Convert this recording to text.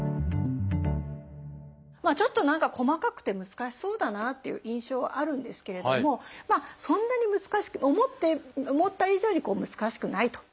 ちょっと何か細かくて難しそうだなっていう印象はあるんですけれどもそんなに難しく思った以上に難しくないと。